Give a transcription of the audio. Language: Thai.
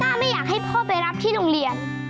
ไม่อยากให้พ่อไปรับที่โรงเรียน